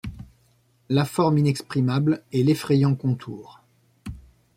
La forme inexprimable et l’effrayant contour